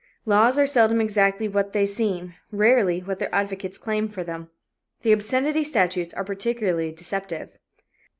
Laws are seldom exactly what they seem, rarely what their advocates claim for them. The "obscenity" statutes are particularly deceptive.